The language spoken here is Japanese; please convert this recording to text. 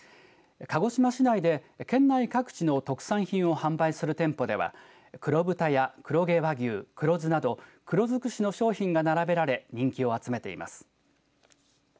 鹿児島市内で県内各地の特産品を販売する店舗では黒豚や黒毛和牛、黒酢など黒づくしの商品が並べられ人気を集めています。